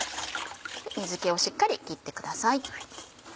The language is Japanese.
水気をしっかり切ってください。